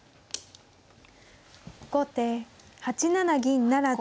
後手８七銀不成。